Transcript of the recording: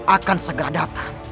akan segera datang